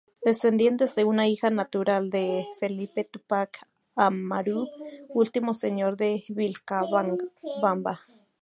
Descendientes de una hija natural de Felipe Túpac Amaru, último señor de Vilcabamba.